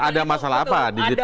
ada masalah apa di tipikor ya